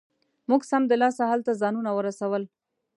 موږ سمدلاسه هلته ځانونه ورسول.